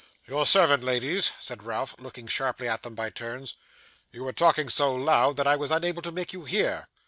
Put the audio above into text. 'Your servant, ladies,' said Ralph, looking sharply at them by turns. 'You were talking so loud, that I was unable to make you hear.